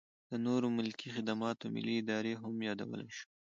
د نورو ملکي خدماتو ملي ادارې هم یادولی شو.